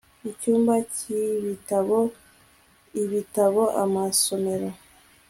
icyumba cyibitabo, ibitabo, amasomero